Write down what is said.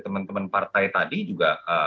teman teman partai tadi juga